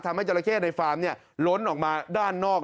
ทำให้จาระเข้ในฟาร์มล้นออกมาด้านนอก